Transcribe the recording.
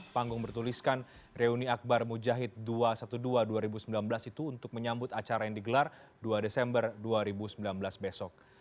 panggung bertuliskan reuni akbar mujahid dua ratus dua belas dua ribu sembilan belas itu untuk menyambut acara yang digelar dua desember dua ribu sembilan belas besok